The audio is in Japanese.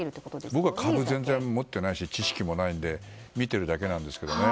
僕は株は全然持ってないし知識もないので見ているだけなんですけどね。